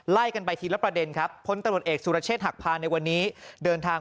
ไล่กันไปทีละประเด็นครับพลตรวจเอกสุรเชษฐหักพาในวันนี้เดินทาง